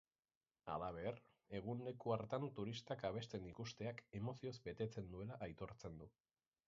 Halaber, egun leku hartan turistak abesten ikusteak emozioz betetzen duela aitortzen du.